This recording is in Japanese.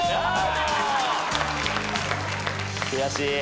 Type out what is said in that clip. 悔しい！